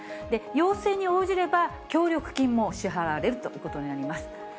で、要請に応じれば、協力金も支払われるということになります。